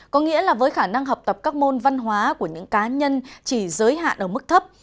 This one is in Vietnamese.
có nghĩa là với khả năng học tập các môn văn hóa của những cá nhân chỉ giới hạn ở mức thấp